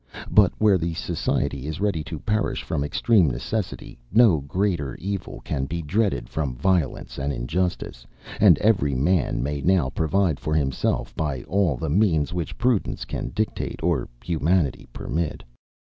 But where the society is ready to perish from extreme necessity, no greater evil can be dreaded from violence and injustice; and every man may now provide for himself by all the means which prudence can dictate, or humanity permit.